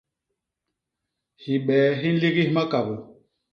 Hibee hi nligis makabô.